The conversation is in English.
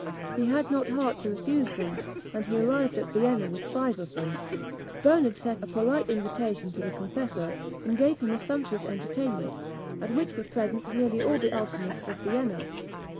He had not heart to refuse them, and he arrived at Vienna with five of them. Bernard sent a polite invitation to the confessor, and gave him a sumptuous entertainment, at which were present nearly all the alchymists of Vienna.